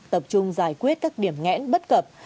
tập trung giải quyết các điểm ngẽn bất cập